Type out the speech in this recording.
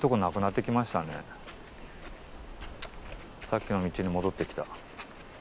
さっきの道に戻ってきた。